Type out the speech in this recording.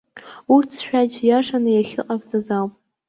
Урҭ сшәаџь иашаны иахьыҟарҵаз ауп.